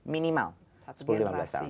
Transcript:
minimal sepuluh lima belas tahun